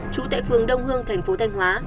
chú tại phường đông hương tp thanh hóa